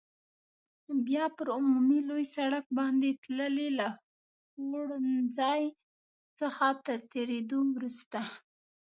بیا پر عمومي لوی سړک باندې تللې، له خوړنځای څخه تر تېرېدو وروسته.